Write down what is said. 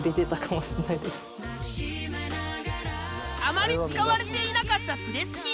あまり使われていなかったプレス器。